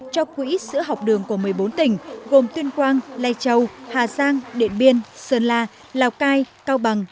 cho quỹ sữa học đường của một mươi bốn tỉnh gồm tuyên quang lai châu hà giang điện biên sơn la lào cai cao bằng